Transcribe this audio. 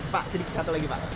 pak sedikit satu lagi pak